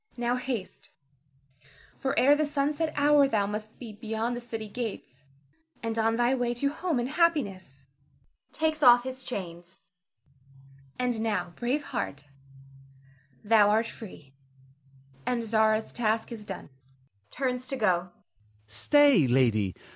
Now haste; for ere the sunset hour thou must be beyond the city gates, and on thy way to home and happiness [takes off his chains]. And now, brave heart, thou art free, and Zara's task is done [turns to go]. Ernest. Stay, lady!